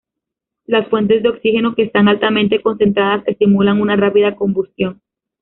Las fuentes de oxígeno que están altamente concentradas estimulan una rápida combustión.